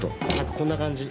こんな感じ。